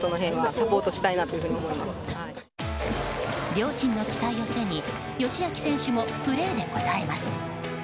両親の期待を背に佳亮選手もプレーで応えます。